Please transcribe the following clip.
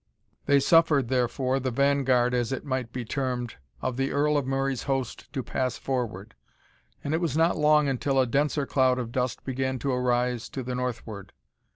They suffered, therefore, the vanguard, as it might be termed, of the Earl of Murray's host to pass forward; and it was not long until a denser cloud of dust began to arise to the northward.